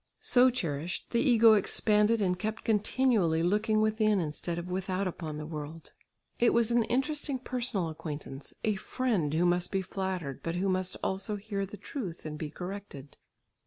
So cherished the ego expanded and kept continually looking within instead of without upon the world. It was an interesting personal acquaintance, a friend who must be flattered, but who must also hear the truth and be corrected.